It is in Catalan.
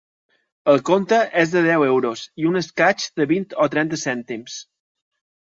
El compte és de deu euros i un escaig de vint o trenta cèntims.